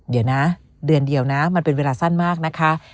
เดี๋ยวนะเดือนเดียวนะมันเป็นเวลาสั้นมากนะคะ